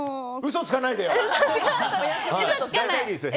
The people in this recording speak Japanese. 嘘つかないでよ！